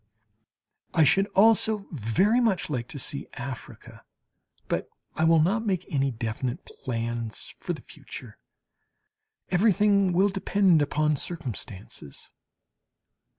I should also very much like to see Africa. But I will not make any definite plans for the future. Everything will depend upon circumstances.